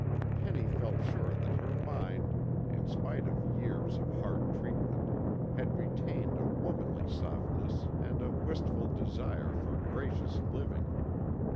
Penny felt sure that her mind, in spite of years of hard treatment, had retained a womanly softness and a wistful desire for gracious living.